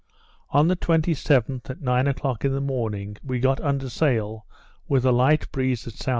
On the 27th, at nine o'clock in the morning, we got under sail with a light breeze at S.W.